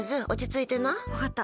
分かった。